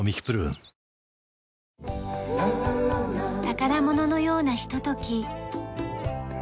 宝物のようなひととき。